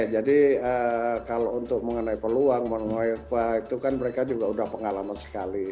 jadi kalau untuk mengenai peluang mengenai apa itu kan mereka juga udah pengalaman sekali